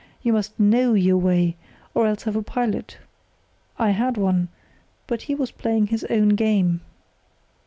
You must know your way, or else have a pilot. I had one, but he was playing his own game.